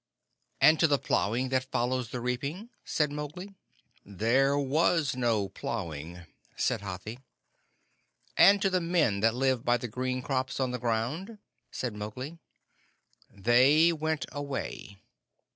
"And to the plowing that follows the reaping?" said Mowgli. "There was no plowing," said Hathi. "And to the men that live by the green crops on the ground?" said Mowgli. "They went away."